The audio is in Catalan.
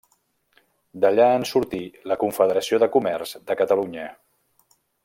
D'allà en sortí la Confederació de Comerç de Catalunya.